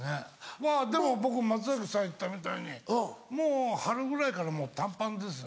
まぁでも僕松崎さん言ったみたいにもう春ぐらいからもう短パンですね。